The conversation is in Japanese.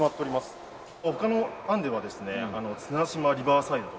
他の案ではですね綱島リバーサイドとか。